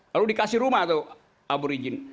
lalu dikasih rumah tuh aborigin